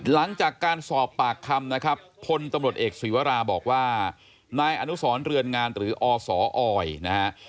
หลังจากการสอบปากคำนะครับพลตำรวจเอกศีวราบอกว่านายอนุสรเรือนงานหรืออสออยนะฮะ